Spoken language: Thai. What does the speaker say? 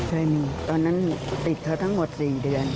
ใช่มีตอนนั้นติดเขาทั้งหมด๔เดือน